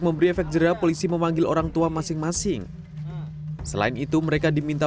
memberi efek jerah polisi memanggil orang tua masing masing selain itu mereka diminta